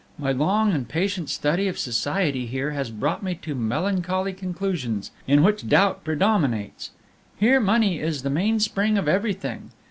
My long and patient study of Society here has brought me to melancholy conclusions, in which doubt predominates. "Here, money is the mainspring of everything.